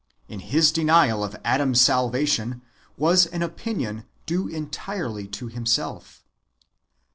But his denial of Adam's salvation was an opinion due entirely to himself.